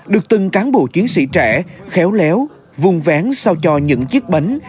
được từng cán bộ chiến sĩ trẻ khéo léo vùng vén sao cho những chiếc bánh